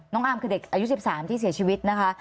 อามคือเด็กอายุ๑๓ที่เสียชีวิตนะคะ